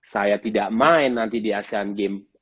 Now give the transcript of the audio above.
saya tidak main nanti di asean games